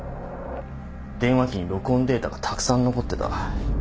電話機に録音データがたくさん残ってた。